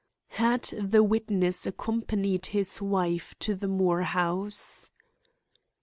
Had the witness accompanied his wife to the Moore house?